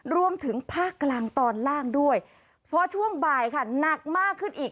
รวมถึงภาคกลางตอนล่างด้วยพอช่วงบ่ายค่ะหนักมากขึ้นอีก